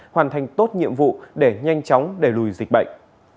hoàn thành tốt nhiệm vụ để nhanh chóng đẩy lùi dịch bệnh